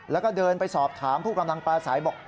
แล้วก็เดินไปสอบถามผู้กำลังปลาใสบอก